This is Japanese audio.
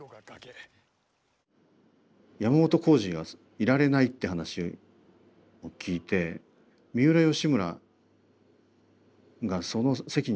山本耕史がいられないって話を聞いて三浦義村がその席にいないってことになったんですよね。